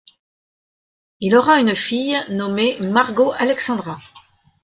Il aura une fille nommée Margot Alexandra.